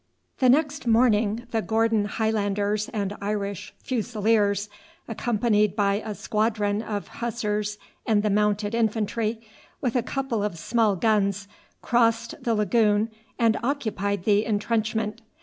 The next morning the Gordon Highlanders and Irish Fusiliers, accompanied by a squadron of Hussars and the Mounted Infantry, with a couple of small guns, crossed the lagoon and occupied the intrenchment.